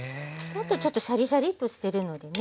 もっとちょっとシャリシャリッとしてるのでね。